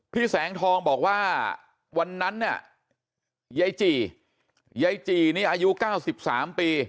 พี่แสงทองบอกว่าวันนั้นเนี่ยไยจีไยจีนี่อายุเก้าสิบสามปี